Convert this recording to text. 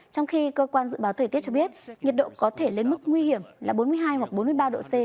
trong khi cơ quan dự báo thời tiết cho biết nhiệt độ có thể lên mức nguy hiểm là bốn mươi hai hoặc bốn mươi ba độ c